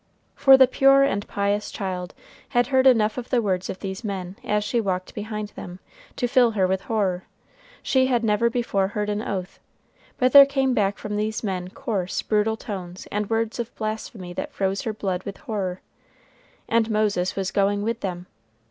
For the pure and pious child had heard enough of the words of these men, as she walked behind them, to fill her with horror. She had never before heard an oath, but there came back from these men coarse, brutal tones and words of blasphemy that froze her blood with horror. And Moses was going with them!